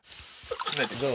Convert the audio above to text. どう？